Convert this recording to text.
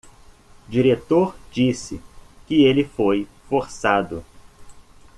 Diretor disse que ele foi forçado